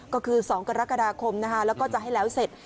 ก็คือ๒กรกฎาคมนะคะแล้วก็จะให้แล้วเสร็จ